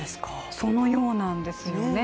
そのようなんですよね。